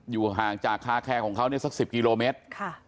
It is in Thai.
อยู่ห่างจากคาแคร์ของเขาสัก๑๐กิโลเมตร